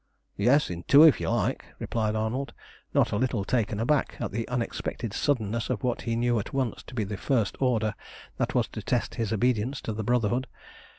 "Yes, in two, if you like," replied Arnold, not a little taken aback at the unexpected suddenness of what he knew at once to be the first order that was to test his obedience to the Brotherhood.